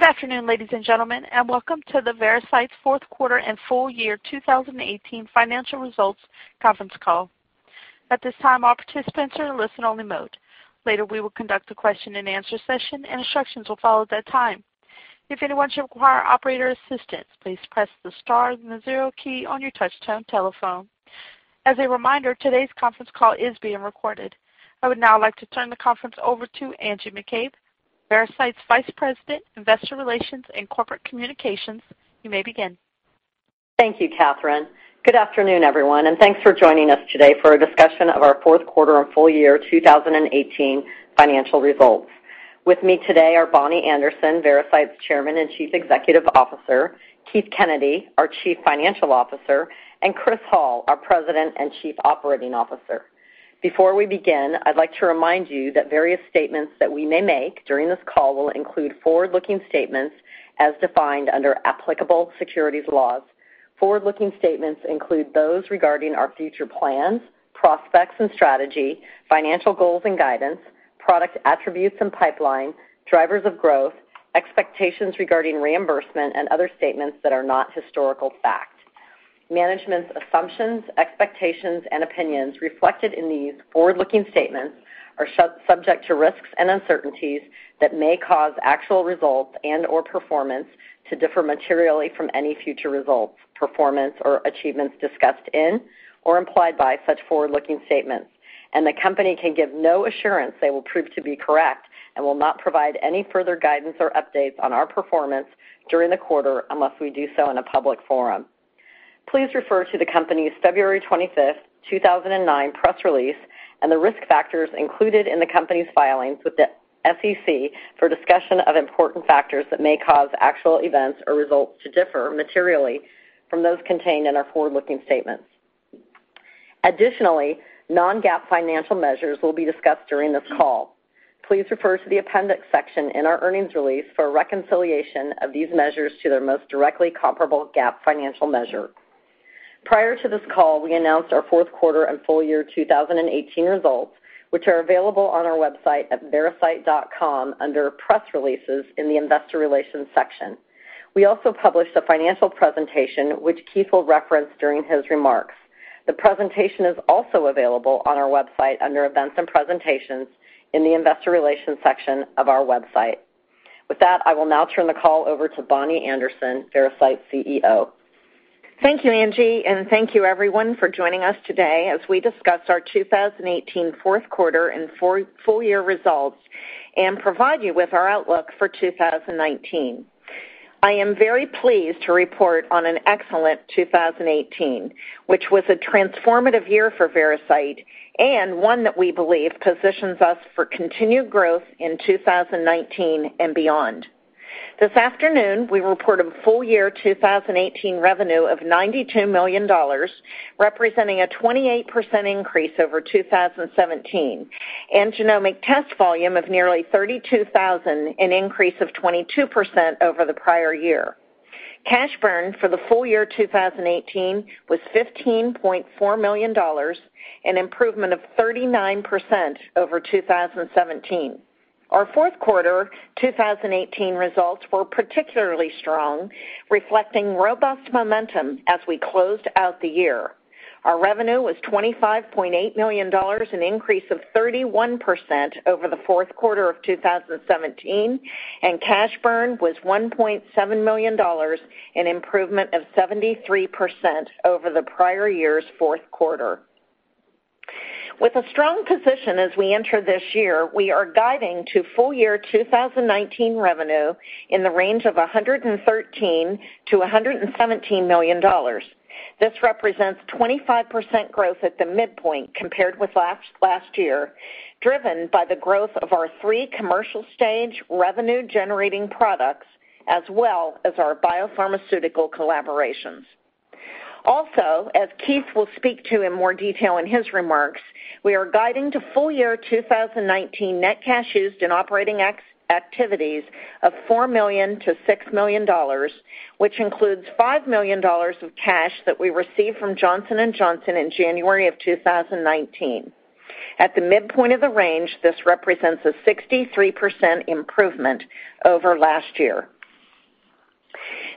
Good afternoon, ladies and gentlemen, and welcome to Veracyte's fourth quarter and full year 2018 financial results conference call. At this time, all participants are in listen only mode. Later, we will conduct a question-and-answer session, and instructions will follow at that time. If anyone should require operator assistance, please press the star and the zero key on your touch-tone telephone. As a reminder, today's conference call is being recorded. I would now like to turn the conference over to Angie McCabe, Veracyte's Vice President, Investor Relations and Corporate Communications. You may begin. Thank you, Catherine. Good afternoon, everyone, thanks for joining us today for a discussion of our fourth quarter and full year 2018 financial results. With me today are Bonnie Anderson, Veracyte's Chairman and Chief Executive Officer, Keith Kennedy, our Chief Financial Officer, and Chris Hall, our President and Chief Operating Officer. Before we begin, I'd like to remind you that various statements that we may make during this call will include forward-looking statements as defined under applicable securities laws. Forward-looking statements include those regarding our future plans, prospects and strategy, financial goals and guidance, product attributes and pipeline, drivers of growth, expectations regarding reimbursement, other statements that are not historical fact. Management's assumptions, expectations, and opinions reflected in these forward-looking statements are subject to risks and uncertainties that may cause actual results and/or performance to differ materially from any future results, performance, or achievements discussed in or implied by such forward-looking statements. The company can give no assurance they will prove to be correct and will not provide any further guidance or updates on our performance during the quarter unless we do so in a public forum. Please refer to the company's February 25, 2019 press release and the risk factors included in the company's filings with the SEC for discussion of important factors that may cause actual events or results to differ materially from those contained in our forward-looking statements. Additionally, non-GAAP financial measures will be discussed during this call. Please refer to the appendix section in our earnings release for a reconciliation of these measures to their most directly comparable GAAP financial measure. Prior to this call, we announced our fourth quarter and full year 2018 results, which are available on our website at veracyte.com under Press Releases in the Investor Relations section. We also published a financial presentation, which Keith will reference during his remarks. The presentation is also available on our website under Events and Presentations in the Investor Relations section of our website. With that, I will now turn the call over to Bonnie Anderson, Veracyte's CEO. Thank you, Angie, and thank you everyone for joining us today as we discuss our 2018 fourth quarter and full year results and provide you with our outlook for 2019. I am very pleased to report on an excellent 2018, which was a transformative year for Veracyte and one that we believe positions us for continued growth in 2019 and beyond. This afternoon, we report a full year 2018 revenue of $92 million, representing a 28% increase over 2017, and genomic test volume of nearly 32,000, an increase of 22% over the prior year. Cash burn for the full year 2018 was $15.4 million, an improvement of 39% over 2017. Our fourth quarter 2018 results were particularly strong, reflecting robust momentum as we closed out the year. Our revenue was $25.8 million, an increase of 31% over the fourth quarter of 2017. Cash burn was $1.7 million, an improvement of 73% over the prior year's fourth quarter. With a strong position as we enter this year, we are guiding to full year 2019 revenue in the range of $113 million-$117 million. This represents 25% growth at the midpoint compared with last year, driven by the growth of our three commercial-stage revenue-generating products, as well as our biopharmaceutical collaborations. As Keith will speak to in more detail in his remarks, we are guiding to full year 2019 net cash used in operating activities of $4 million-$6 million, which includes $5 million of cash that we received from Johnson & Johnson in January of 2019. At the midpoint of the range, this represents a 63% improvement over last year.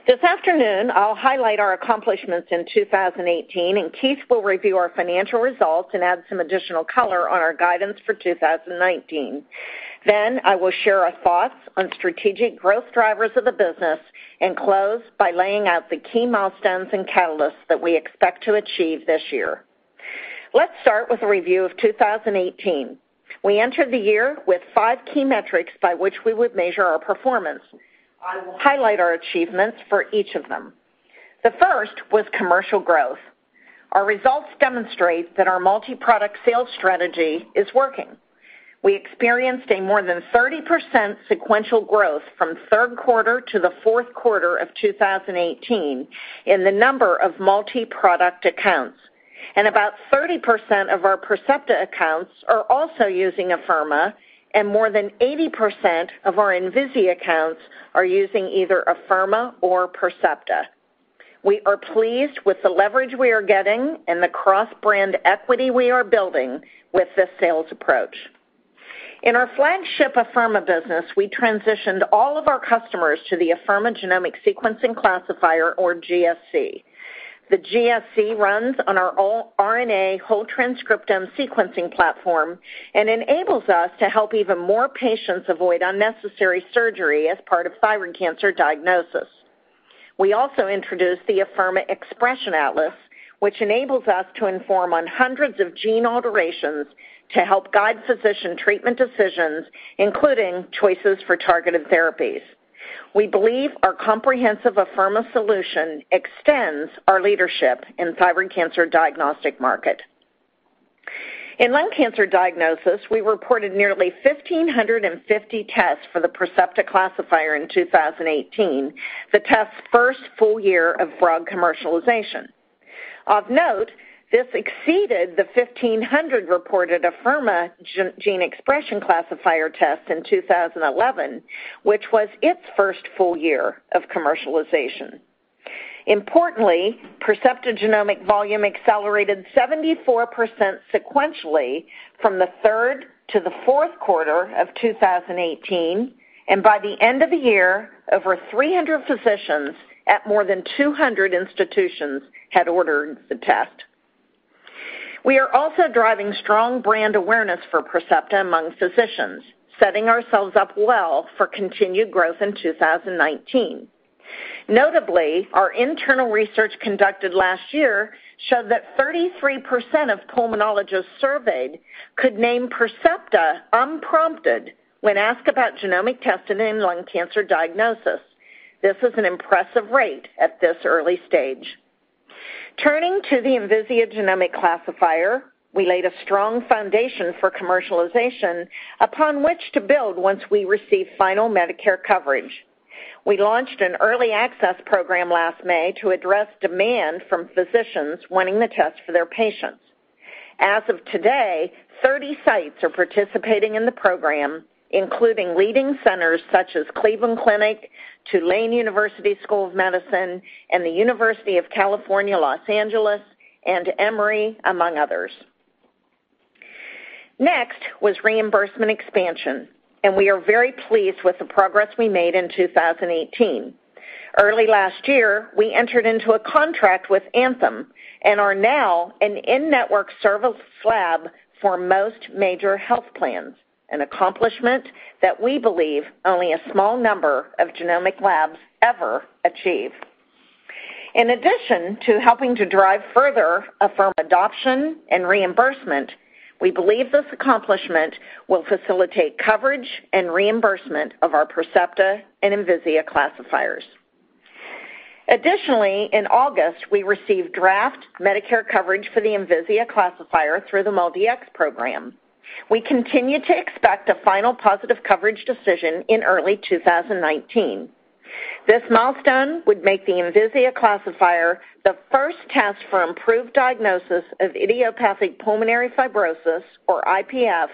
This afternoon, I'll highlight our accomplishments in 2018. Keith will review our financial results and add some additional color on our guidance for 2019. I will share our thoughts on strategic growth drivers of the business and close by laying out the key milestones and catalysts that we expect to achieve this year. Let's start with a review of 2018. We entered the year with five key metrics by which we would measure our performance. I will highlight our achievements for each of them. The first was commercial growth. Our results demonstrate that our multi-product sales strategy is working. We experienced a more than 30% sequential growth from third quarter to the fourth quarter of 2018 in the number of multi-product accounts. About 30% of our Percepta accounts are also using Afirma, and more than 80% of our Envisia accounts are using either Afirma or Percepta. We are pleased with the leverage we are getting and the cross-brand equity we are building with this sales approach. In our flagship Afirma business, we transitioned all of our customers to the Afirma Genomic Sequencing Classifier, or GSC. The GSC runs on our RNA whole-transcriptome sequencing platform and enables us to help even more patients avoid unnecessary surgery as part of thyroid cancer diagnosis. We also introduced the Afirma Xpression Atlas, which enables us to inform on hundreds of gene alterations to help guide physician treatment decisions, including choices for targeted therapies. We believe our comprehensive Afirma solution extends our leadership in the thyroid cancer diagnostic market. In lung cancer diagnosis, we reported nearly 1,550 tests for the Percepta classifier in 2018, the test's first full year of broad commercialization. Of note, this exceeded the 1,500 reported Afirma Gene Expression Classifier test in 2011, which was its first full year of commercialization. Importantly, Percepta genomic volume accelerated 74% sequentially from the third to the fourth quarter of 2018, and by the end of the year, over 300 physicians at more than 200 institutions had ordered the test. We are also driving strong brand awareness for Percepta among physicians, setting ourselves up well for continued growth in 2019. Notably, our internal research conducted last year showed that 33% of pulmonologists surveyed could name Percepta unprompted when asked about genomic testing in lung cancer diagnosis. This is an impressive rate at this early stage. Turning to the Envisia Genomic Classifier, we laid a strong foundation for commercialization upon which to build once we receive final Medicare coverage. We launched an early access program last May to address demand from physicians wanting the test for their patients. As of today, 30 sites are participating in the program, including leading centers such as Cleveland Clinic, Tulane University School of Medicine, and the University of California, Los Angeles, and Emory, among others. Next was reimbursement expansion. We are very pleased with the progress we made in 2018. Early last year, we entered into a contract with Anthem and are now an in-network service lab for most major health plans, an accomplishment that we believe only a small number of genomic labs ever achieve. In addition to helping to drive further Afirma adoption and reimbursement, we believe this accomplishment will facilitate coverage and reimbursement of our Percepta and Envisia classifiers. Additionally, in August, we received draft Medicare coverage for the Envisia classifier through the MolDx program. We continue to expect a final positive coverage decision in early 2019. This milestone would make the Envisia classifier the first test for improved diagnosis of idiopathic pulmonary fibrosis, or IPF,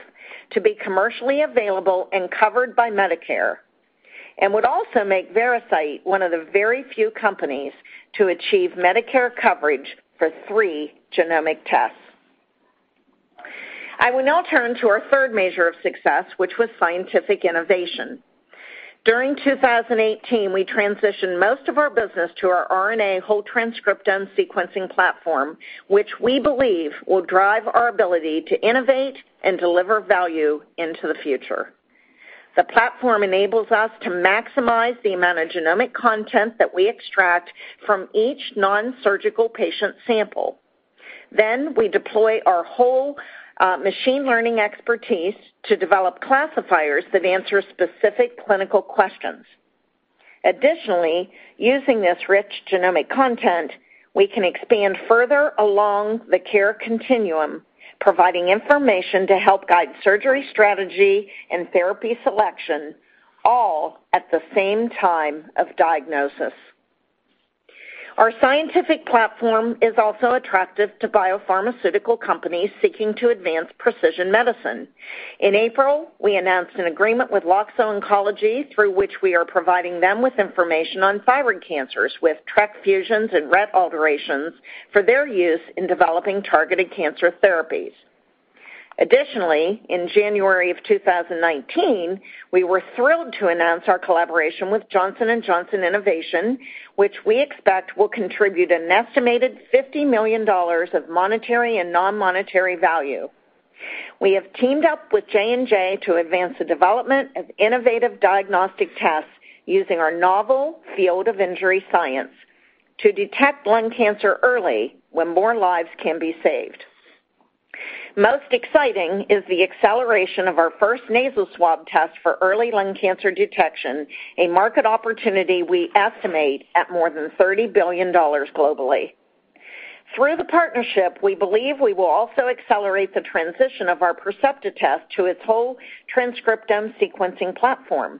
to be commercially available and covered by Medicare and would also make Veracyte one of the very few companies to achieve Medicare coverage for three genomic tests. I will now turn to our third measure of success, which was scientific innovation. During 2018, we transitioned most of our business to our RNA whole-transcriptome sequencing platform, which we believe will drive our ability to innovate and deliver value into the future. The platform enables us to maximize the amount of genomic content that we extract from each nonsurgical patient sample. We deploy our whole machine learning expertise to develop classifiers that answer specific clinical questions. Additionally, using this rich genomic content, we can expand further along the care continuum, providing information to help guide surgery strategy and therapy selection, all at the same time of diagnosis. Our scientific platform is also attractive to biopharmaceutical companies seeking to advance precision medicine. In April, we announced an agreement with Loxo Oncology through which we are providing them with information on thyroid cancers with TRK fusions and RET alterations for their use in developing targeted cancer therapies. Additionally, in January of 2019, we were thrilled to announce our collaboration with Johnson & Johnson Innovation, which we expect will contribute an estimated $50 million of monetary and non-monetary value. We have teamed up with J&J to advance the development of innovative diagnostic tests using our novel field of injury science to detect lung cancer early when more lives can be saved. Most exciting is the acceleration of our first nasal swab test for early lung cancer detection, a market opportunity we estimate at more than $30 billion globally. Through the partnership, we believe we will also accelerate the transition of our Percepta test to its whole transcriptome sequencing platform.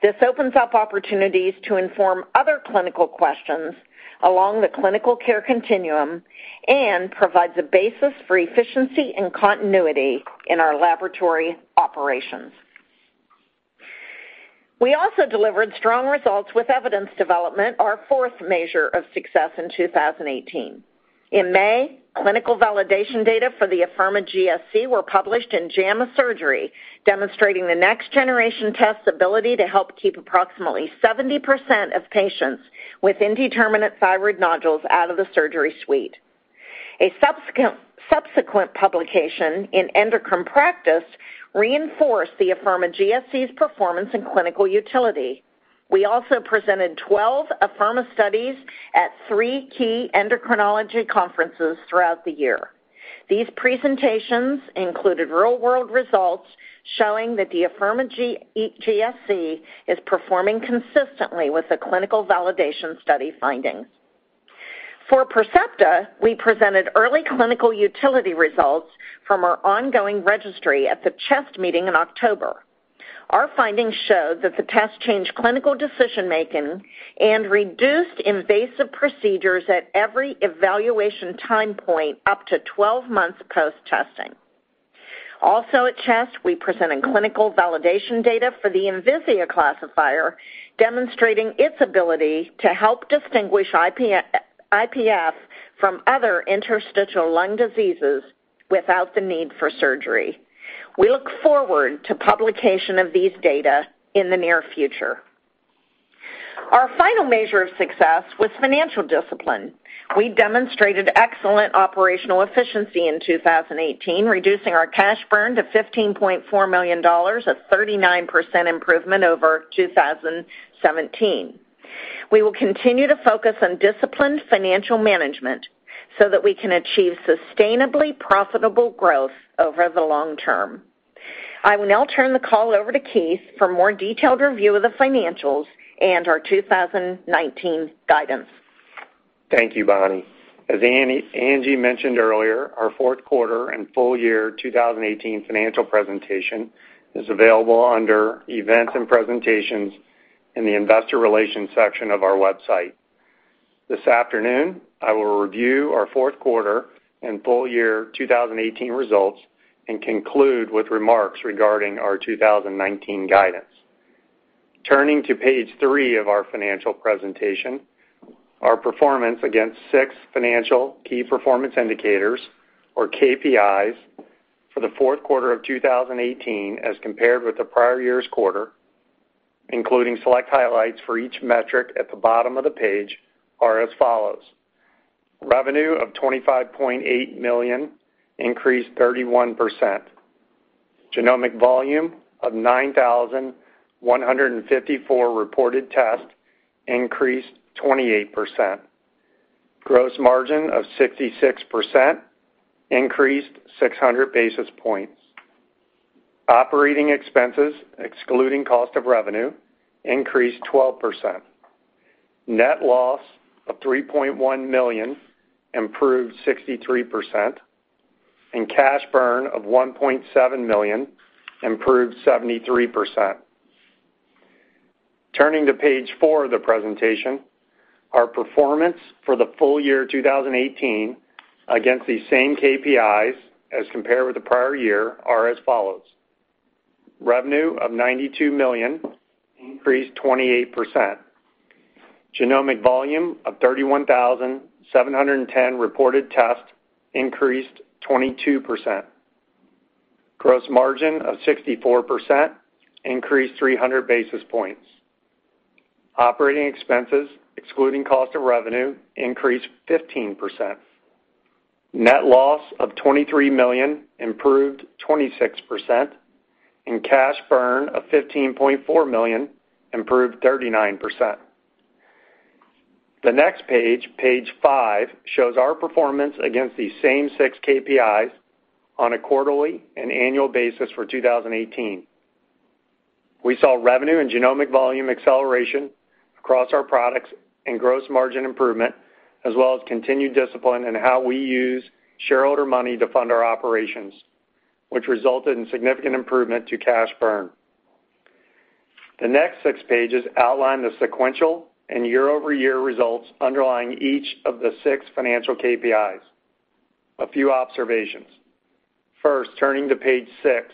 This opens up opportunities to inform other clinical questions along the clinical care continuum and provides a basis for efficiency and continuity in our laboratory operations. We also delivered strong results with evidence development, our fourth measure of success in 2018. In May, clinical validation data for the Afirma GSC were published in JAMA Surgery, demonstrating the next generation test's ability to help keep approximately 70% of patients with indeterminate thyroid nodules out of the surgery suite. A subsequent publication in Endocrine Practice reinforced the Afirma GSC's performance and clinical utility. We also presented 12 Afirma studies at three key endocrinology conferences throughout the year. These presentations included real-world results showing that the Afirma GSC is performing consistently with the clinical validation study findings. For Percepta, we presented early clinical utility results from our ongoing registry at the CHEST meeting in October. Our findings show that the test changed clinical decision-making and reduced invasive procedures at every evaluation time point up to 12 months post-testing. Also at CHEST, we presented clinical validation data for the Envisia classifier, demonstrating its ability to help distinguish IPF from other interstitial lung diseases without the need for surgery. We look forward to publication of these data in the near future. Our final measure of success was financial discipline. We demonstrated excellent operational efficiency in 2018, reducing our cash burn to $15.4 million, a 39% improvement over 2017. We will continue to focus on disciplined financial management so that we can achieve sustainably profitable growth over the long term. I will now turn the call over to Keith for a more detailed review of the financials and our 2019 guidance. Thank you, Bonnie. As Angie mentioned earlier, our fourth quarter and full year 2018 financial presentation is available under Events and Presentations in the Investor Relations section of our website. This afternoon, I will review our fourth quarter and full year 2018 results and conclude with remarks regarding our 2019 guidance. Turning to page three of our financial presentation, our performance against six financial key performance indicators, or KPIs, for the fourth quarter of 2018 as compared with the prior year's quarter, including select highlights for each metric at the bottom of the page, are as follows. Revenue of $25.8 million, increased 31%. Genomic volume of 9,154 reported tests, increased 28%. Gross margin of 66%, increased 600 basis points. Operating expenses, excluding cost of revenue, increased 12%. Net loss of $3.1 million, improved 63%, and cash burn of $1.7 million, improved 73%. Turning to page four of the presentation, our performance for the full year 2018 against these same KPIs as compared with the prior year are as follows. Revenue of $92 million, increased 28%. Genomic volume of 31,710 reported tests, increased 22%. Gross margin of 64%, increased 300 basis points. Operating expenses, excluding cost of revenue, increased 15%. Net loss of $23 million, improved 26%, and cash burn of $15.4 million, improved 39%. The next page five, shows our performance against these same six KPIs on a quarterly and annual basis for 2018. We saw revenue and genomic volume acceleration across our products and gross margin improvement, as well as continued discipline in how we use shareholder money to fund our operations, which resulted in significant improvement to cash burn. The next six pages outline the sequential and year-over-year results underlying each of the six financial KPIs. A few observations. First, turning to page six,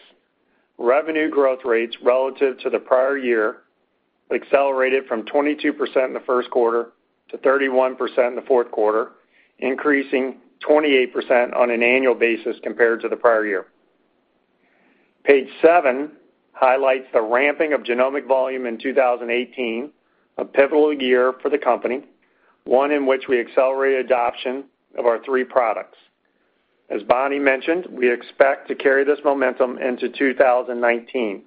revenue growth rates relative to the prior year accelerated from 22% in the first quarter to 31% in the fourth quarter, increasing 28% on an annual basis compared to the prior year. Page seven highlights the ramping of genomic volume in 2018, a pivotal year for the company, one in which we accelerated adoption of our three products. As Bonnie mentioned, we expect to carry this momentum into 2019.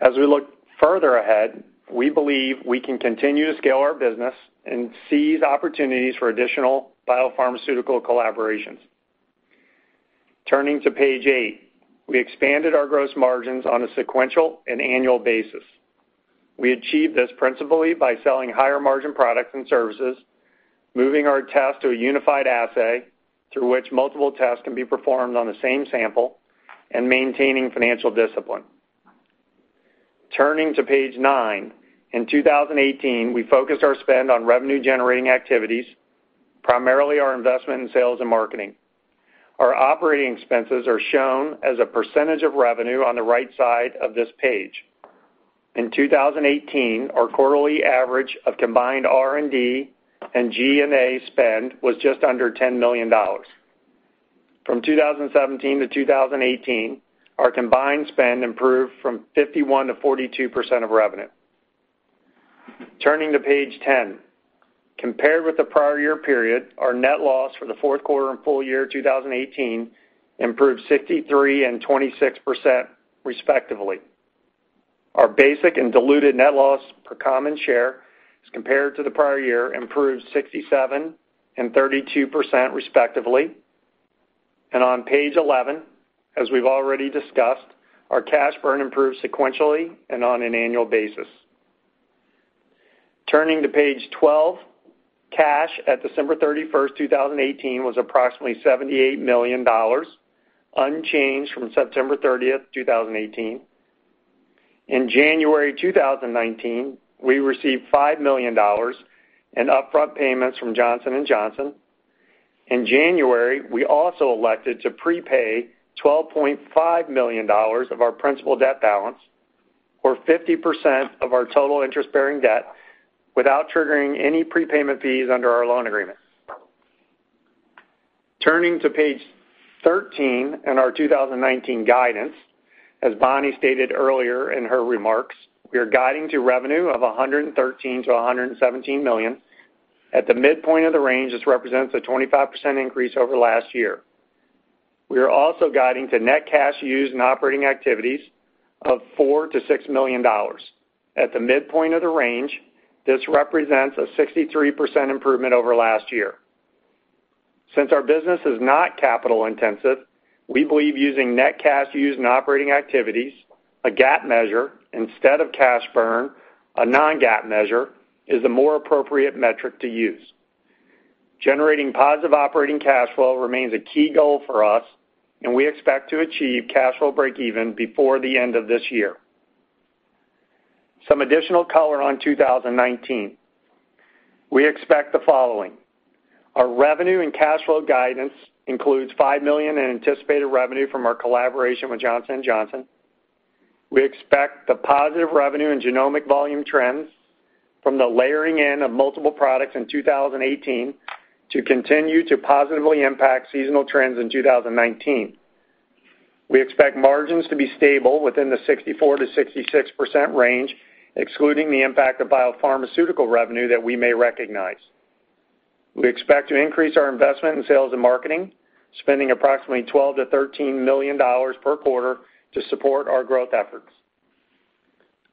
As we look further ahead, we believe we can continue to scale our business and seize opportunities for additional biopharmaceutical collaborations. Turning to page eight, we expanded our gross margins on a sequential and annual basis. We achieved this principally by selling higher-margin products and services, moving our test to a unified assay through which multiple tests can be performed on the same sample, and maintaining financial discipline. Turning to page nine, in 2018, we focused our spend on revenue-generating activities, primarily our investment in sales and marketing. Our operating expenses are shown as a percentage of revenue on the right side of this page. In 2018, our quarterly average of combined R&D and G&A spend was just under $10 million. From 2017 to 2018, our combined spend improved from 51% to 42% of revenue. Turning to page 10. Compared with the prior year period, our net loss for the fourth quarter and full year 2018 improved 63% and 26%, respectively. Our basic and diluted net loss per common share as compared to the prior year improved 67% and 32%, respectively. On page 11, as we've already discussed, our cash burn improved sequentially and on an annual basis. Turning to page 12, cash at December 31st, 2018, was approximately $78 million, unchanged from September 30th, 2018. In January 2019, we received $5 million in upfront payments from Johnson & Johnson. In January, we also elected to prepay $12.5 million of our principal debt balance, or 50% of our total interest-bearing debt, without triggering any prepayment fees under our loan agreement. Turning to page 13 and our 2019 guidance, as Bonnie stated earlier in her remarks, we are guiding to revenue of $113 million-$117 million. At the midpoint of the range, this represents a 25% increase over last year. We are also guiding to net cash used in operating activities of $4 million-$6 million. At the midpoint of the range, this represents a 63% improvement over last year. Since our business is not capital intensive, we believe using net cash used in operating activities, a GAAP measure, instead of cash burn, a non-GAAP measure, is the more appropriate metric to use. Generating positive operating cash flow remains a key goal for us, we expect to achieve cash flow breakeven before the end of this year. Some additional color on 2019. We expect the following. Our revenue and cash flow guidance includes $5 million in anticipated revenue from our collaboration with Johnson & Johnson. We expect the positive revenue and genomic volume trends from the layering in of multiple products in 2018 to continue to positively impact seasonal trends in 2019. We expect margins to be stable within the 64%-66% range, excluding the impact of biopharmaceutical revenue that we may recognize. We expect to increase our investment in sales and marketing, spending approximately $12 million-$13 million per quarter to support our growth efforts.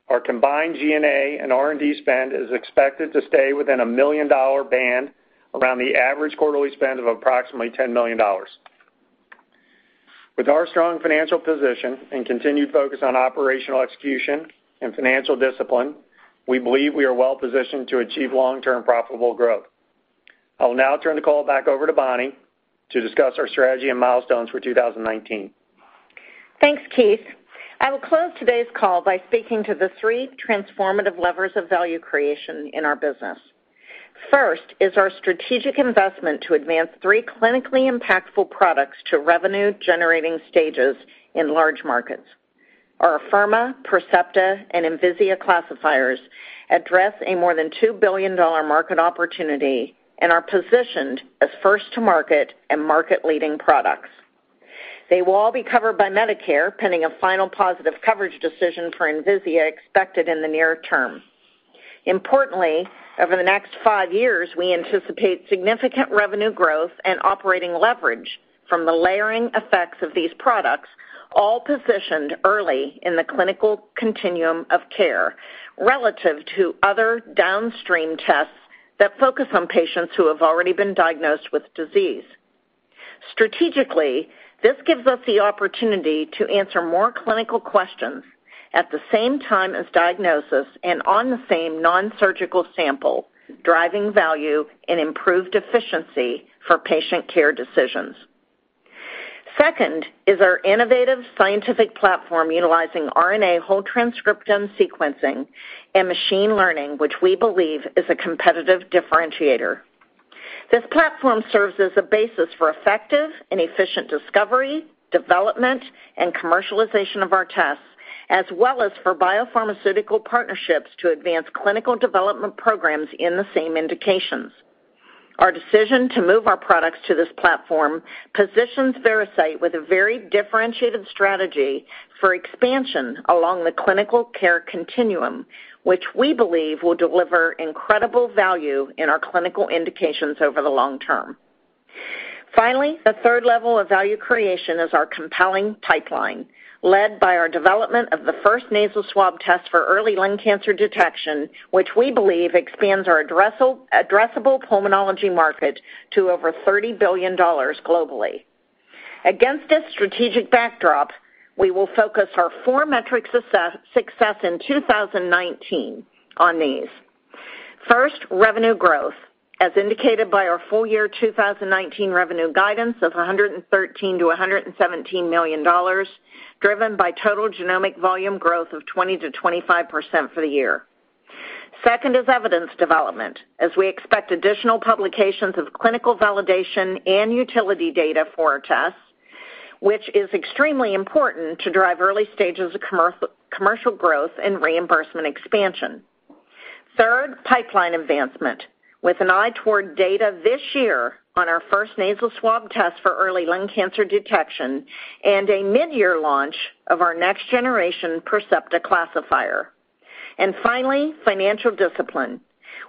Our combined G&A and R&D spend is expected to stay within a million-dollar band around the average quarterly spend of approximately $10 million. With our strong financial position and continued focus on operational execution and financial discipline, we believe we are well-positioned to achieve long-term profitable growth. I will now turn the call back over to Bonnie to discuss our strategy and milestones for 2019. Thanks, Keith. I will close today's call by speaking to the three transformative levers of value creation in our business. First is our strategic investment to advance three clinically impactful products to revenue-generating stages in large markets. Our Afirma, Percepta, and Envisia classifiers address a more than $2 billion market opportunity and are positioned as first to market and market-leading products. They will all be covered by Medicare, pending a final positive coverage decision for Envisia expected in the near term. Importantly, over the next five years, we anticipate significant revenue growth and operating leverage from the layering effects of these products, all positioned early in the clinical continuum of care, relative to other downstream tests that focus on patients who have already been diagnosed with disease. Strategically, this gives us the opportunity to answer more clinical questions at the same time as diagnosis and on the same non-surgical sample, driving value and improved efficiency for patient care decisions. Second is our innovative scientific platform utilizing RNA whole-transcriptome sequencing and machine learning, which we believe is a competitive differentiator. This platform serves as a basis for effective and efficient discovery, development, and commercialization of our tests, as well as for biopharmaceutical partnerships to advance clinical development programs in the same indications. Our decision to move our products to this platform positions Veracyte with a very differentiated strategy for expansion along the clinical care continuum, which we believe will deliver incredible value in our clinical indications over the long term. Finally, the third level of value creation is our compelling pipeline, led by our development of the first nasal swab test for early lung cancer detection, which we believe expands our addressable pulmonology market to over $30 billion globally. Against this strategic backdrop, we will focus our four metrics success in 2019 on these. First, revenue growth, as indicated by our full year 2019 revenue guidance of $113 million-$117 million, driven by total genomic volume growth of 20%-25% for the year. Second is evidence development, as we expect additional publications of clinical validation and utility data for our tests, which is extremely important to drive early stages of commercial growth and reimbursement expansion. Third, pipeline advancement, with an eye toward data this year on our first nasal swab test for early lung cancer detection and a mid-year launch of our next-generation Percepta classifier. Finally, financial discipline.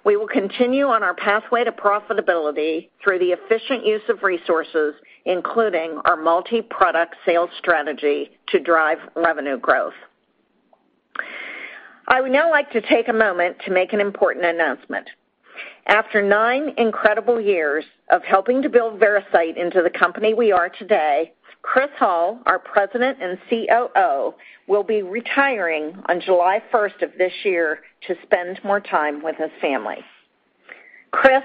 We will continue on our pathway to profitability through the efficient use of resources, including our multi-product sales strategy to drive revenue growth. I would now like to take a moment to make an important announcement. After nine incredible years of helping to build Veracyte into the company we are today, Chris Hall, our President and COO, will be retiring on July 1st of this year to spend more time with his family. Chris,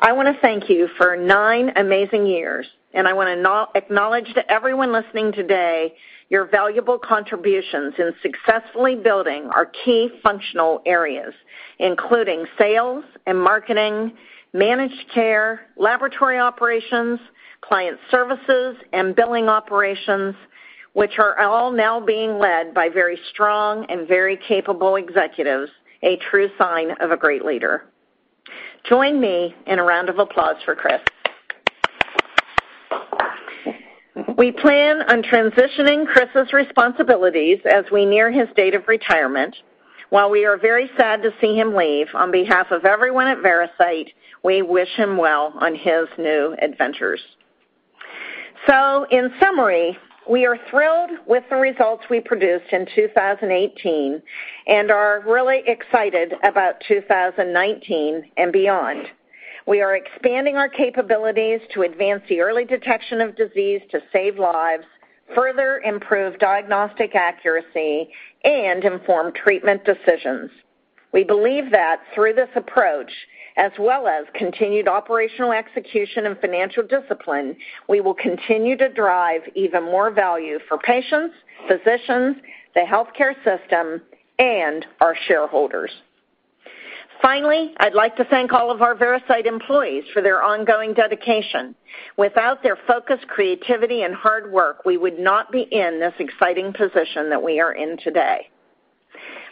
I want to thank you for nine amazing years, and I want to acknowledge to everyone listening today, your valuable contributions in successfully building our key functional areas, including sales and marketing, managed care, laboratory operations, client services, and billing operations, which are all now being led by very strong and very capable executives, a true sign of a great leader. Join me in a round of applause for Chris. We plan on transitioning Chris's responsibilities as we near his date of retirement. While we are very sad to see him leave, on behalf of everyone at Veracyte, we wish him well on his new adventures. In summary, we are thrilled with the results we produced in 2018 and are really excited about 2019 and beyond. We are expanding our capabilities to advance the early detection of disease to save lives, further improve diagnostic accuracy, and inform treatment decisions. We believe that through this approach, as well as continued operational execution and financial discipline, we will continue to drive even more value for patients, physicians, the healthcare system, and our shareholders. I'd like to thank all of our Veracyte employees for their ongoing dedication. Without their focus, creativity, and hard work, we would not be in this exciting position that we are in today.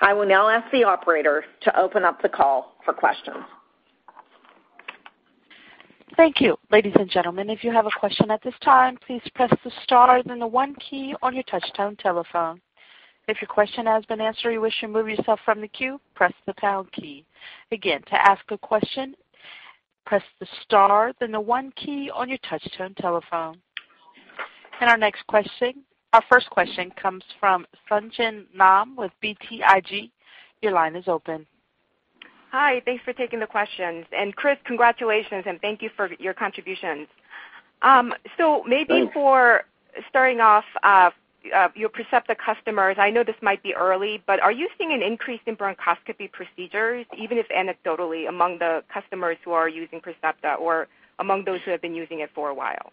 I will now ask the operator to open up the call for questions. Thank you. Ladies and gentlemen, if you have a question at this time, please press the star then the one key on your touch-tone telephone. If your question has been answered or you wish to remove yourself from the queue, press the pound key. Again, to ask a question, press the star then the one key on your touch-tone telephone. Our first question comes from Sung Ji Nam with BTIG. Your line is open. Hi. Thanks for taking the questions. Chris, congratulations, and thank you for your contributions. Thanks. Maybe for starting off, your Percepta customers, I know this might be early, but are you seeing an increase in bronchoscopy procedures, even if anecdotally among the customers who are using Percepta or among those who have been using it for a while?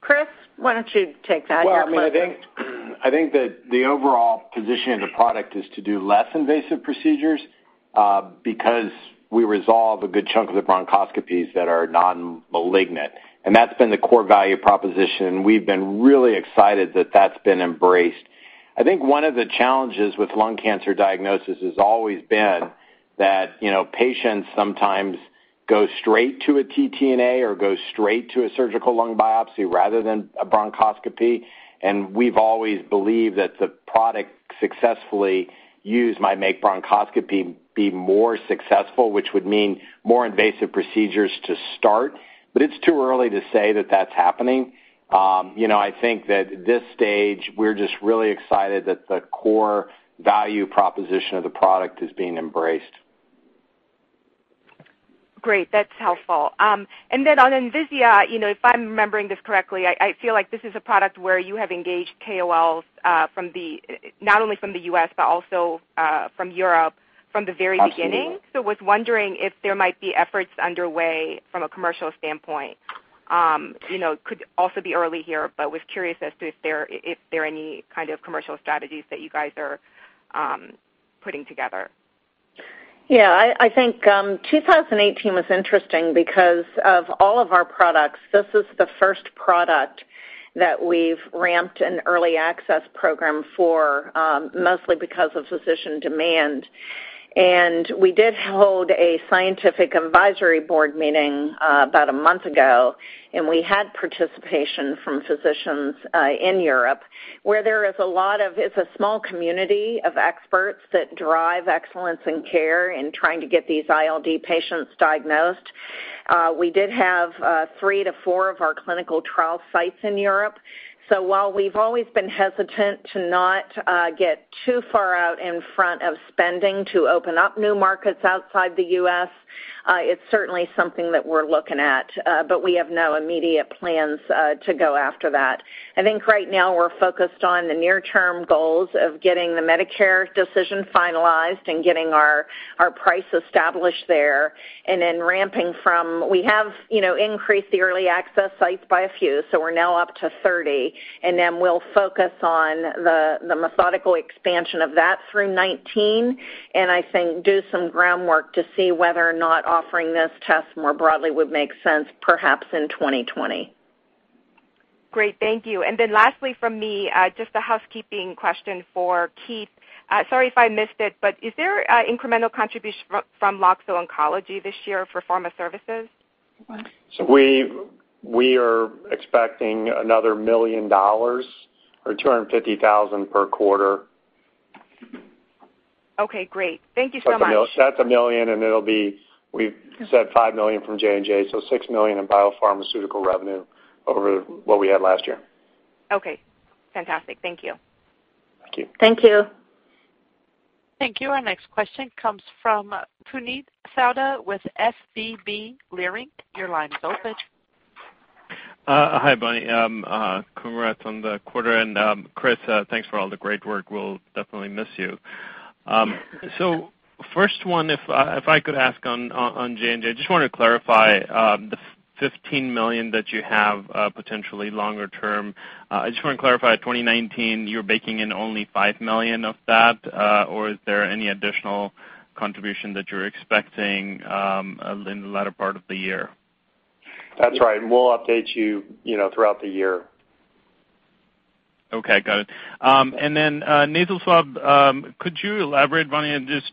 Chris, why don't you take that? Well, I think that the overall position of the product is to do less invasive procedures because we resolve a good chunk of the bronchoscopies that are non-malignant. That's been the core value proposition. We've been really excited that's been embraced. I think one of the challenges with lung cancer diagnosis has always been that patients sometimes go straight to a TTNA or go straight to a surgical lung biopsy rather than a bronchoscopy. We've always believed that the product successfully used might make bronchoscopy be more successful, which would mean more invasive procedures to start. It's too early to say that's happening. I think that at this stage, we're just really excited that the core value proposition of the product is being embraced. Great. That's helpful. Then on Envisia, if I'm remembering this correctly, I feel like this is a product where you have engaged KOLs not only from the U.S. but also from Europe from the very beginning. Absolutely. Was wondering if there might be efforts underway from a commercial standpoint. Could also be early here, but was curious as to if there are any kind of commercial strategies that you guys are putting together. Yeah, I think 2018 was interesting because of all of our products, this is the first product that we've ramped an early access program for, mostly because of physician demand. We did hold a scientific advisory board meeting about a month ago, and we had participation from physicians in Europe, where there is a lot of, it's a small community of experts that drive excellence in care in trying to get these ILD patients diagnosed. We did have three to four of our clinical trial sites in Europe. While we've always been hesitant to not get too far out in front of spending to open up new markets outside the U.S., it's certainly something that we're looking at. We have no immediate plans to go after that. I think right now we're focused on the near-term goals of getting the Medicare decision finalized and getting our price established there. Then we have increased the early access sites by a few, so we're now up to 30. Then we'll focus on the methodical expansion of that through 2019. I think do some groundwork to see whether or not offering this test more broadly would make sense perhaps in 2020. Great. Thank you. Then lastly from me, just a housekeeping question for Keith. Sorry if I missed it, but is there incremental contribution from Loxo Oncology this year for pharma services? We are expecting another $1 million or $250,000 per quarter. Okay, great. Thank you so much. That's $1 million, we've said $5 million from J&J, $6 million in biopharmaceutical revenue over what we had last year. Fantastic. Thank you. Thank you. Thank you. Our next question comes from Puneet Souda with SVB Leerink. Your line is open. Hi, Bonnie. Congrats on the quarter, Chris, thanks for all the great work. We'll definitely miss you. First one, if I could ask on J&J, just wanted to clarify the $15 million that you have potentially longer term. I just want to clarify, 2019, you're baking in only $5 million of that, or is there any additional contribution that you're expecting in the latter part of the year? That's right. We'll update you throughout the year. Okay, got it. Nasal swab, could you elaborate, Bonnie, just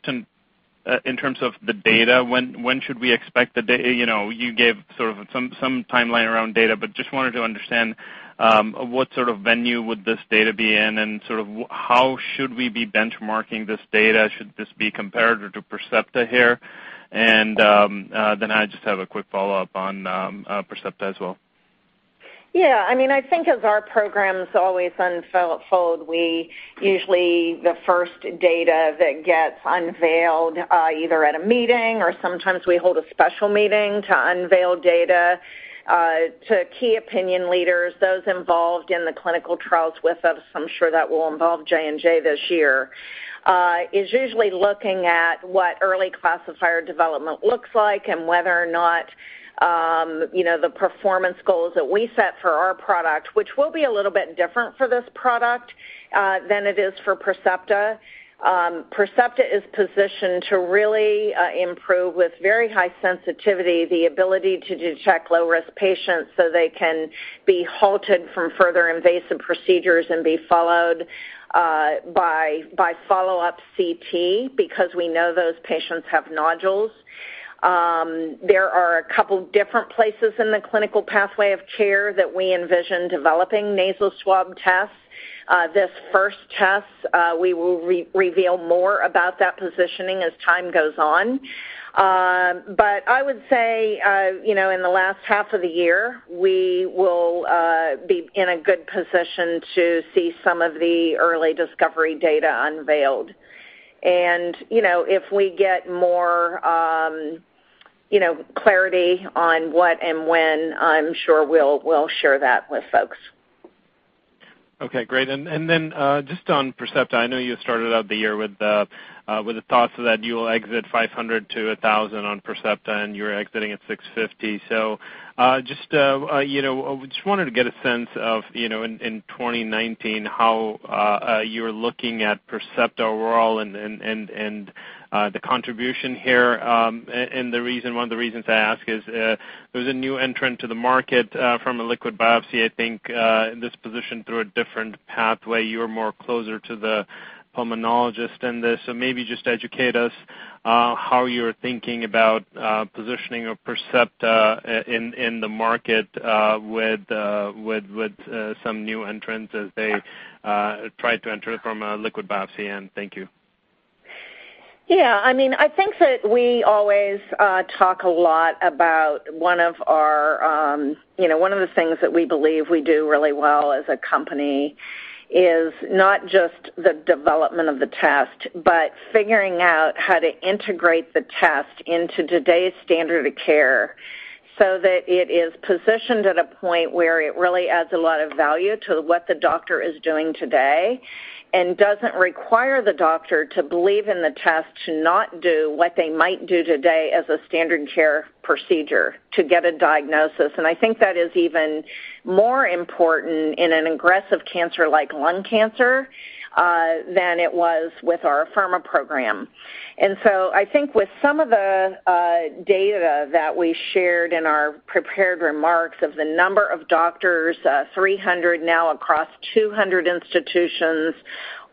in terms of the data, when should we expect the data? You gave sort of some timeline around data, just wanted to understand what sort of venue would this data be in, and how should we be benchmarking this data? Should this be comparative to Percepta here? I just have a quick follow-up on Percepta as well. Yeah, I think as our programs always unfold, usually the first data that gets unveiled either at a meeting or sometimes we hold a special meeting to unveil data to key opinion leaders, those involved in the clinical trials with us, I'm sure that will involve J&J this year, is usually looking at what early classifier development looks like and whether or not the performance goals that we set for our product, which will be a little bit different for this product than it is for Percepta. Percepta is positioned to really improve, with very high sensitivity, the ability to detect low-risk patients so they can be halted from further invasive procedures and be followed by follow-up CT, because we know those patients have nodules. There are a couple different places in the clinical pathway of care that we envision developing nasal swab tests. This first test, we will reveal more about that positioning as time goes on. I would say, in the last half of the year, we will be in a good position to see some of the early discovery data unveiled. If we get more clarity on what and when, I'm sure we'll share that with folks. Okay, great. Just on Percepta, I know you started out the year with the thoughts that you will exit 500-1,000 on Percepta and you're exiting at 650. Just wanted to get a sense of, in 2019, how you're looking at Percepta overall and the contribution here. One of the reasons I ask is, there's a new entrant to the market from a liquid biopsy, I think, in this position through a different pathway. You're more closer to the pulmonologist in this. Maybe just educate us how you're thinking about positioning of Percepta in the market with some new entrants as they try to enter from a liquid biopsy end. Thank you. Yeah. I think that we always talk a lot about one of the things that we believe we do really well as a company is not just the development of the test, but figuring out how to integrate the test into today's standard of care so that it is positioned at a point where it really adds a lot of value to what the doctor is doing today and doesn't require the doctor to believe in the test to not do what they might do today as a standard care procedure to get a diagnosis. I think that is even more important in an aggressive cancer like lung cancer, than it was with our Afirma program. I think with some of the data that we shared in our prepared remarks of the number of doctors, 300 now across 200 institutions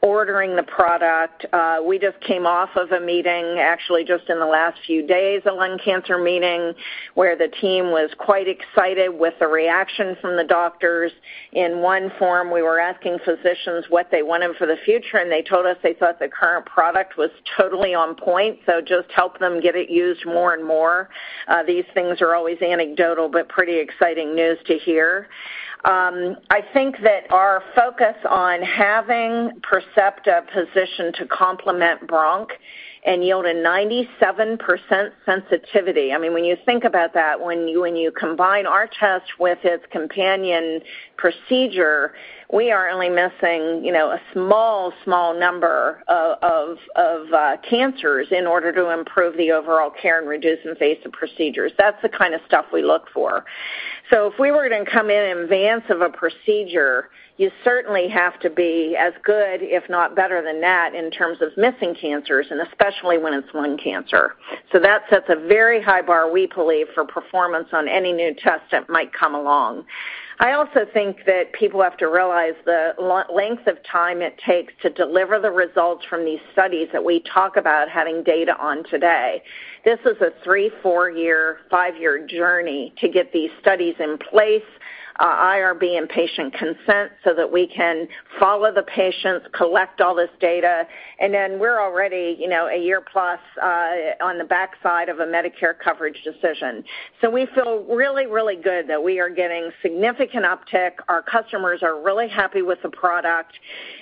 ordering the product. We just came off of a meeting, actually, just in the last few days, a lung cancer meeting, where the team was quite excited with the reaction from the doctors. In one form, we were asking physicians what they wanted for the future, they told us they thought the current product was totally on point, just help them get it used more and more. These things are always anecdotal, pretty exciting news to hear. I think that our focus on having Percepta positioned to complement bronchoscopy and yield a 97% sensitivity, when you think about that, when you combine our test with its companion procedure, we are only missing a small number of cancers in order to improve the overall care and reduce invasive procedures. That's the kind of stuff we look for. If we were to come in advance of a procedure, you certainly have to be as good, if not better than that, in terms of missing cancers and especially when it's lung cancer. That sets a very high bar, we believe, for performance on any new test that might come along. I also think that people have to realize the length of time it takes to deliver the results from these studies that we talk about having data on today. This is a three, four-year, five-year journey to get these studies in place, IRB and patient consent, so that we can follow the patients, collect all this data, and then we're already a year plus on the backside of a Medicare coverage decision. We feel really, really good that we are getting significant uptick. Our customers are really happy with the product,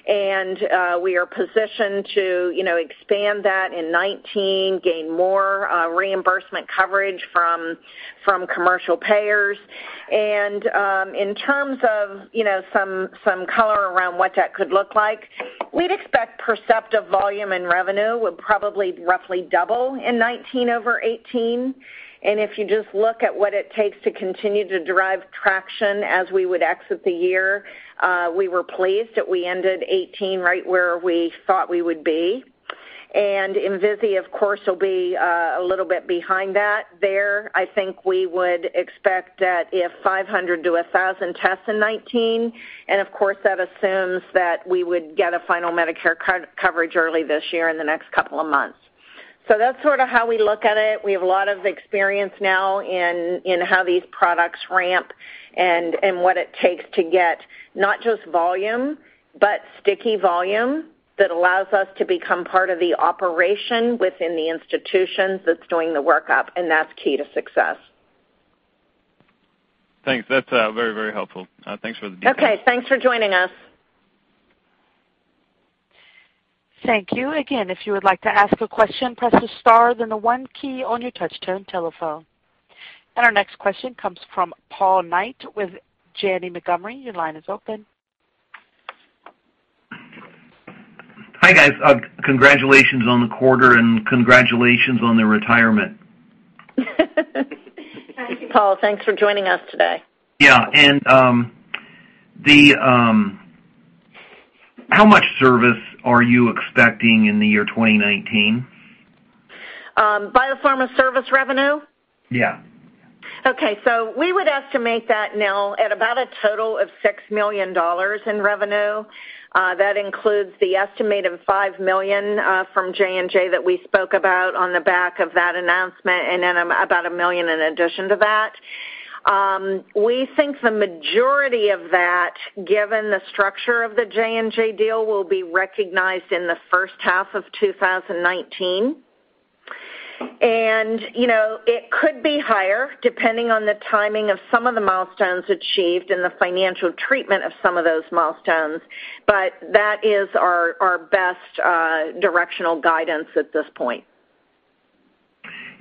and we are positioned to expand that in 2019, gain more reimbursement coverage from commercial payers. In terms of some color around what that could look like, we'd expect Percepta volume and revenue will probably roughly double in 2019 over 2018. If you just look at what it takes to continue to derive traction as we would exit the year, we were pleased that we ended 2018 right where we thought we would be. Envisia, of course, will be a little bit behind that there. I think we would expect that if 500-1,000 tests in 2019, and of course, that assumes that we would get a final Medicare coverage early this year in the next couple of months. That's sort of how we look at it. We have a lot of experience now in how these products ramp and what it takes to get not just volume, but sticky volume that allows us to become part of the operation within the institutions that's doing the workup, and that's key to success. Thanks. That's very, very helpful. Thanks for the details. Okay. Thanks for joining us. Thank you. Again, if you would like to ask a question, press the star, then the one key on your touch tone telephone. Our next question comes from Paul Knight with Janney Montgomery. Your line is open. Hi, guys. Congratulations on the quarter and congratulations on the retirement. Thank you. Paul, thanks for joining us today. Yeah. How much service are you expecting in the year 2019? Biopharma service revenue? Yeah. Okay. We would estimate that now at about a total of $6 million in revenue. That includes the estimate of $5 million from J&J that we spoke about on the back of that announcement and then about $1 million in addition to that. We think the majority of that, given the structure of the J&J deal, will be recognized in the first half of 2019. It could be higher depending on the timing of some of the milestones achieved and the financial treatment of some of those milestones, that is our best directional guidance at this point.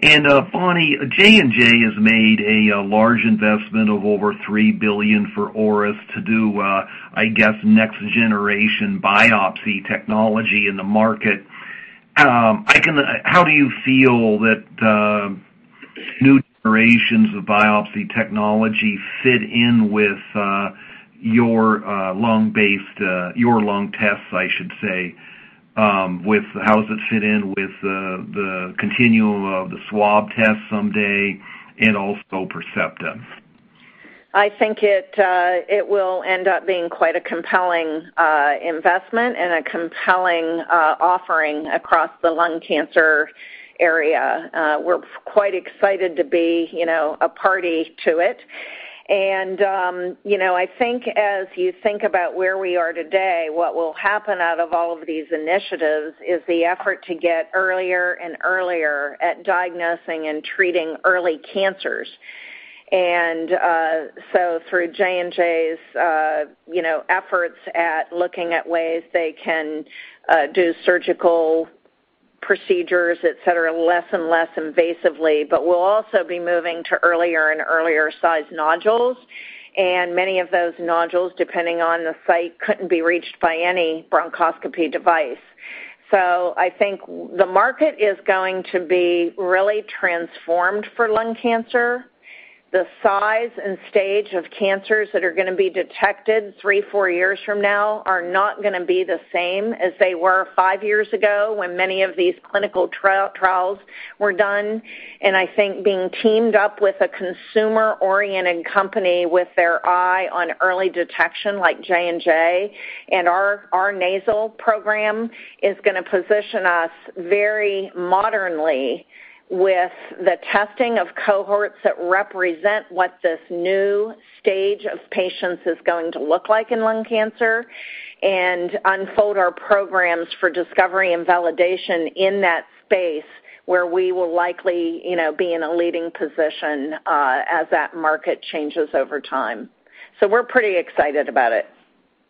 Bonnie, J&J has made a large investment of over $3 billion for Auris to do, I guess, next generation biopsy technology in the market. How do you feel that new generations of biopsy technology fit in with your lung tests, I should say? How does it fit in with the continuum of the swab test someday and also Percepta? I think it will end up being quite a compelling investment and a compelling offering across the lung cancer area. We're quite excited to be a party to it. I think as you think about where we are today, what will happen out of all of these initiatives is the effort to get earlier and earlier at diagnosing and treating early cancers. Through J&J's efforts at looking at ways they can do surgical procedures, et cetera, less and less invasively, but we'll also be moving to earlier and earlier size nodules. Many of those nodules, depending on the site, couldn't be reached by any bronchoscopy device. I think the market is going to be really transformed for lung cancer. The size and stage of cancers that are going to be detected three, four years from now are not going to be the same as they were five years ago when many of these clinical trials were done. I think being teamed up with a consumer-oriented company with their eye on early detection like J&J and our nasal program is going to position us very modernly with the testing of cohorts that represent what this new stage of patients is going to look like in lung cancer and unfold our programs for discovery and validation in that space where we will likely be in a leading position as that market changes over time. We're pretty excited about it.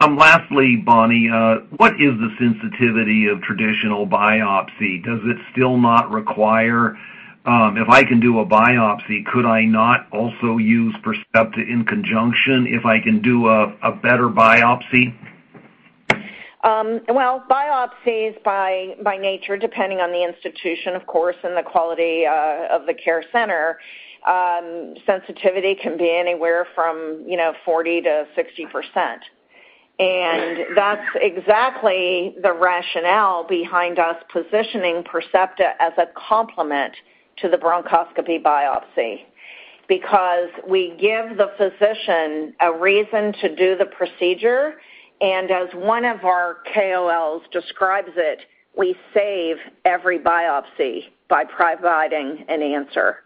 Lastly, Bonnie, what is the sensitivity of traditional biopsy? If I can do a biopsy, could I not also use Percepta in conjunction if I can do a better biopsy? Well, biopsies by nature, depending on the institution, of course, and the quality of the care center, sensitivity can be anywhere from 40%-60%. That's exactly the rationale behind us positioning Percepta as a complement to the bronchoscopy biopsy, because we give the physician a reason to do the procedure, and as one of our KOLs describes it, we save every biopsy by providing an answer.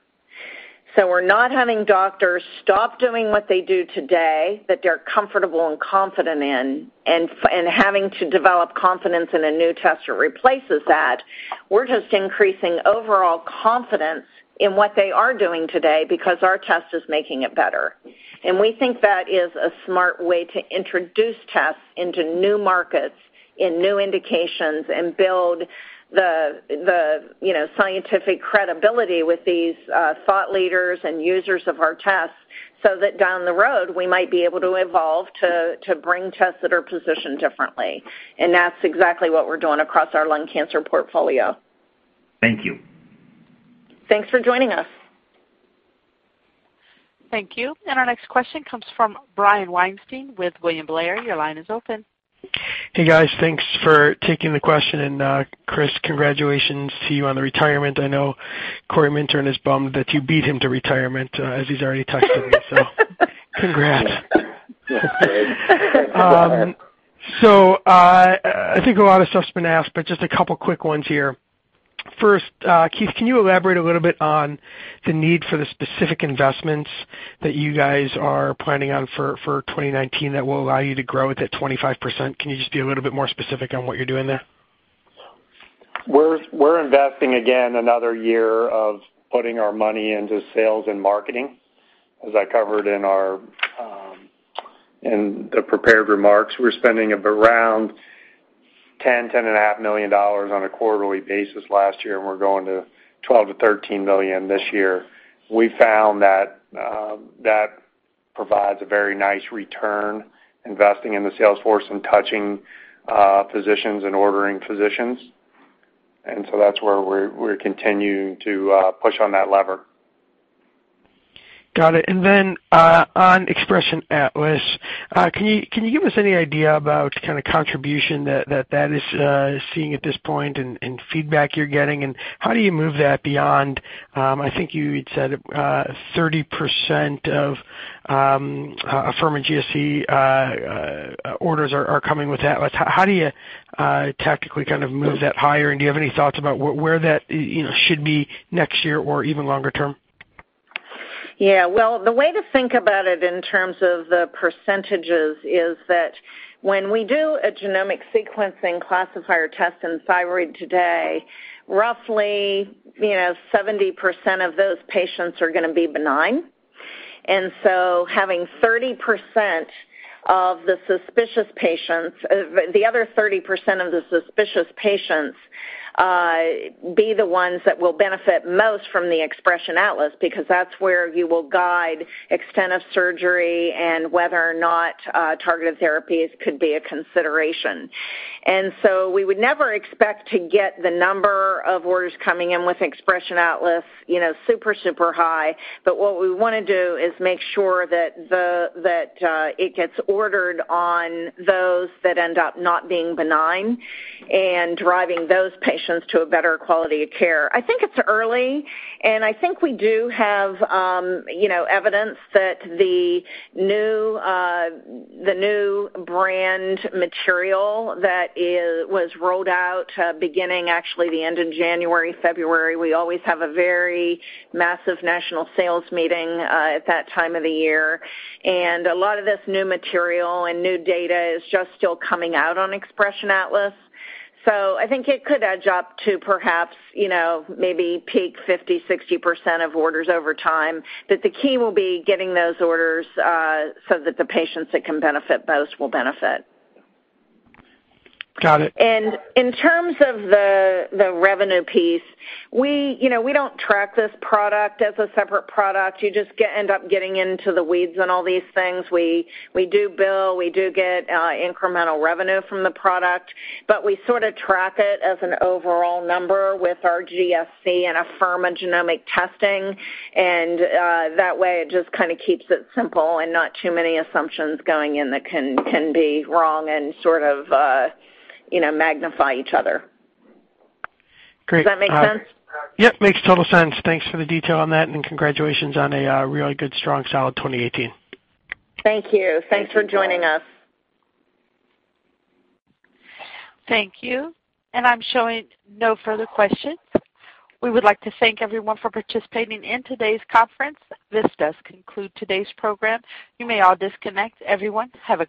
We're not having doctors stop doing what they do today that they're comfortable and confident in, and having to develop confidence in a new test that replaces that. We're just increasing overall confidence in what they are doing today because our test is making it better. We think that is a smart way to introduce tests into new markets, in new indications, and build the scientific credibility with these thought leaders and users of our tests, so that down the road, we might be able to evolve to bring tests that are positioned differently. That's exactly what we're doing across our lung cancer portfolio. Thank you. Thanks for joining us. Thank you. Our next question comes from Brian Weinstein with William Blair. Your line is open. Hey, guys. Thanks for taking the question. Chris, congratulations to you on the retirement. I know Corey Minter and his bum that you beat him to retirement, as he's already texted me. Congrats. I think a lot of stuff's been asked, but just a couple quick ones here. First, Keith, can you elaborate a little bit on the need for the specific investments that you guys are planning on for 2019 that will allow you to grow at that 25%? Can you just be a little bit more specific on what you're doing there? We're investing again another year of putting our money into sales and marketing. As I covered in the prepared remarks, we're spending around $10, ten and a half million dollars on a quarterly basis last year, and we're going to $12 million- $13 million this year. We found that provides a very nice return, investing in the sales force and touching physicians and ordering physicians. That's where we're continuing to push on that lever. Got it. On Xpression Atlas, can you give us any idea about kind of contribution that that is seeing at this point and feedback you're getting, and how do you move that beyond, I think you'd said, 30% of Afirma GSC orders are coming with Atlas. How do you tactically kind of move that higher? Do you have any thoughts about where that should be next year or even longer term? Well, the way to think about it in terms of the percentages is that when we do a genomic sequencing classifier test in thyroid today, roughly 70% of those patients are going to be benign. Having 30% of the suspicious patients, the other 30% of the suspicious patients be the ones that will benefit most from the Xpression Atlas, because that's where you will guide extent of surgery and whether or not targeted therapies could be a consideration. We would never expect to get the number of orders coming in with Xpression Atlas super high. What we want to do is make sure that it gets ordered on those that end up not being benign and driving those patients to a better quality of care. I think it's early. I think we do have evidence that the new brand material that was rolled out beginning actually the end of January, February. We always have a very massive national sales meeting at that time of the year. A lot of this new material and new data is just still coming out on Xpression Atlas. I think it could edge up to perhaps maybe peak 50%, 60% of orders over time, that the key will be getting those orders, so that the patients that can benefit most will benefit. Got it. In terms of the revenue piece, we don't track this product as a separate product. You just end up getting into the weeds on all these things. We do bill, we do get incremental revenue from the product, but we sort of track it as an overall number with our GSC and Afirma genomic testing. That way, it just kind of keeps it simple and not too many assumptions going in that can be wrong and sort of magnify each other. Great. Does that make sense? Yep, makes total sense. Thanks for the detail on that, and congratulations on a really good, strong, solid 2018. Thank you. Thanks for joining us. Thank you. I'm showing no further questions. We would like to thank everyone for participating in today's conference. This does conclude today's program. You may all disconnect.